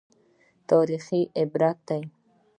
تاریخ عبرت دی